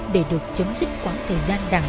để được chấm dứt quãng thời gian đàng đáng